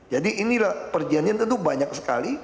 jadi inilah perjalanan tentu banyak sekali